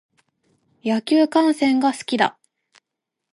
野球観戦が好きだ。